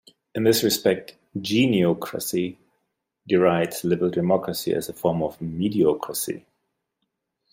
In this respect, Geniocracy derides Liberal Democracy as a form of "Mediocracy".